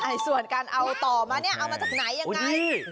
ส่วนการเอาต่อมาเนี่ยเอามาจากไหนยังไง